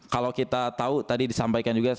kalau kita tahu tadi disampaikan juga